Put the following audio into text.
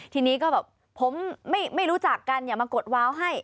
ทีนี้ก็แบบผมไม่รู้จักกันอย่ามากดว้าวให้